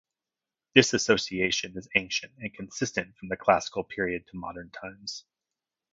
This association is ancient, and consistent from the Classical period to modern times.